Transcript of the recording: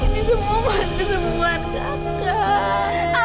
ini semua mesti sembuhan kakak